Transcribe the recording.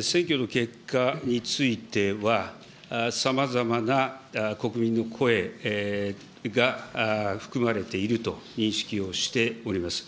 選挙の結果については、さまざまな国民の声が含まれていると認識をしております。